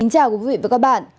chào quý vị và các bạn